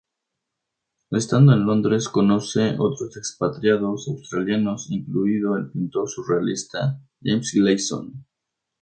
Estando en Londres conoce otros expatriados australianos incluido el pintor surrealista James Gleeson.